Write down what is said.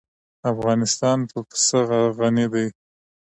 افغانستان په پسه غني دی.